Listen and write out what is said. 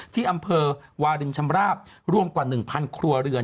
ที่อำเภอวารินชำราบรวมกว่า๑๐๐ครัวเรือน